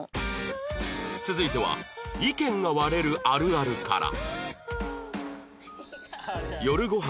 続いては意見が割れるあるあるから